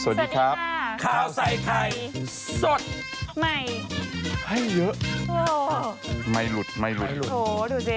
สวัสดีครับข้าวใส่ไข่สดใหม่ให้เยอะไม่หลุดไม่หลุดไม่หลุดโหดูสิ